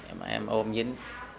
em ôm dính